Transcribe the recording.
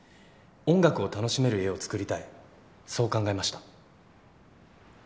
音楽を楽しめる家を作りたいそう考えました。